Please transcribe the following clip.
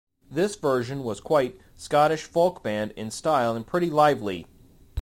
This version was quite "Scottish folk band" in style and pretty lively.